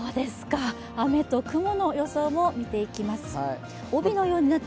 雨と雲の予想も見ていきます。